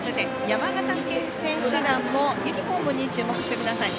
山形県選手団もユニフォームに注目してください。